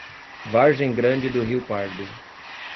Vargem Grande do Rio Pardo